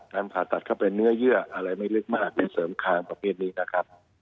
ผ่าตัดเข้าไปเนื้อเยื่ออะไรไม่ลึกมากในเสริมคางประเภทนี้นะครับ